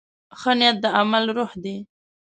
ښه نیت د عمل روح دی.